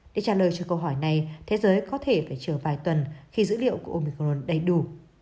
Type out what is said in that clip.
để trả lời cho câu hỏi này thế giới có thể phải chờ vài tuần khi dữ liệu của omicron đầy đủ